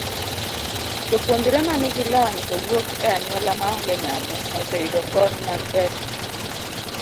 Jopuonjre ma nigi lony to wuok e anyuola maonge nyalo, oseyudo kony mag pesa.